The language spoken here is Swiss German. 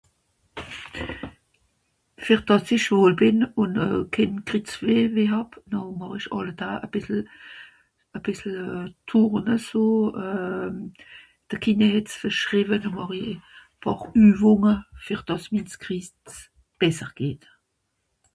ver dass esch voll bìn un ken Krizweh weh hab nà màch esch alle Dàà a bìssel a bìssle tourne so euhh de Kiné hett's verschrewe no màch I paar üvunge ver dàas mins Kriz besser geht